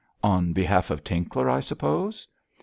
'On behalf of Tinkler, I suppose?'